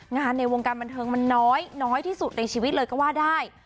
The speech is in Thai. ในวงการบันเทิงมันน้อยน้อยที่สุดในชีวิตเลยก็ว่าได้